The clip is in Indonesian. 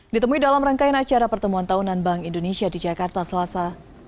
ditemui dalam rangkaian acara pertemuan tahunan bank indonesia di jakarta selasa